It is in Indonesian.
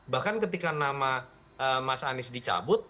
bahkan ketika nama mas anies dicabut